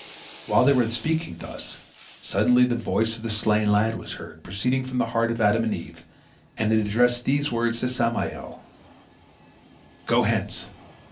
While they were speaking thus, suddenly the voice of the slain lad was heard proceeding from the heart of Adam and Eve, and it addressed these words to Samael: "Go hence!